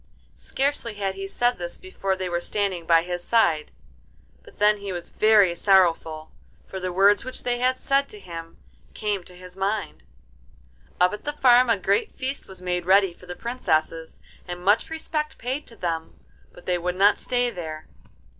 Scarcely had he said this before they were standing by his side, but then he was very sorrowful, for the words which they had said to him came to his mind. Up at the farm a great feast was made ready for the Princesses, and much respect paid to them, but they would not stay there.